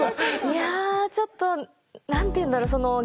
いやあちょっと何て言うんだろう